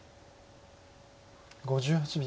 ５８秒。